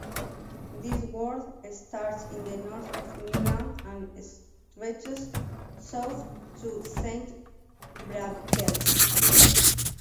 This ward starts in the north at Newland and stretches south to Saint Briavels.